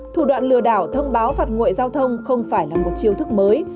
thủ đoạn lừa đảo thông báo phạt nguội giao thông không phải là một chiêu thức mới